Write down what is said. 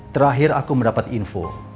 terakhir aku mendapat info